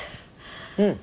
うん。